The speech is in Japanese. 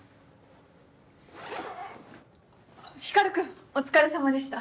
光君お疲れさまでした。